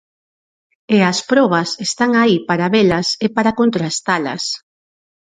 E as probas están aí para velas e para contrastalas.